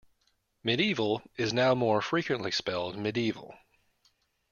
Mediaeval is now more frequently spelled medieval.